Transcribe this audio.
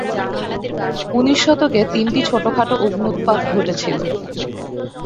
উনিশ শতকে তিনটি ছোটখাটো অগ্ন্যুৎপাত ঘটেছিল।